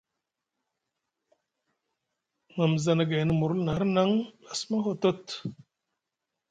Mamza na gayni murlu na hirnaŋ a suma hotot.